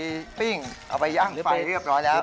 หลังจากเลี้ยงสัตว์เสร็จให้มันดูสวยงามนะครับแล้วก็เอาไปจูดเสียถัง